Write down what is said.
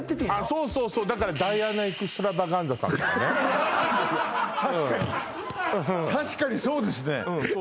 そうそうそうだから確かに確かにそうですね